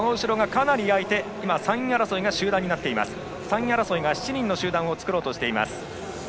３位争いが７人の集団を作ろうとしています。